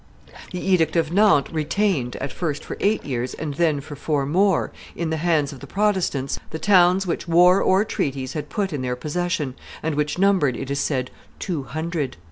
The edict of Nantes retained, at first for eight years and then for four more, in the hands of the Protestants the towns which war or treaties had put in their possession, and which numbered, it is said, two hundred.